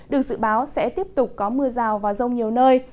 được dự báo sẽ tiếp tục có mưa rào và rông nhiều nơi